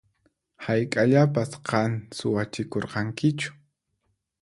Hayk'aqllapas qan suwachikurqankichu?